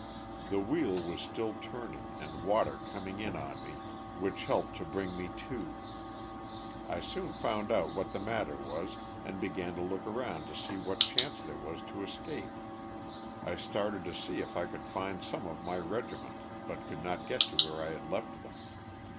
The wheel was still turning and water coming in on me which helped to 238 LOSS OF THE SULTANA. bring me to. I soon found out what the matter was and be^an to look around to see what chance there was to escape. I started to see if I could find some of my regiment but could not get to where I had left them.